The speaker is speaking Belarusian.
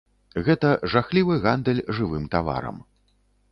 Гэта жахлівы гандаль жывым таварам.